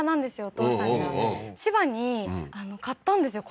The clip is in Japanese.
お父さんが千葉に買ったんですよ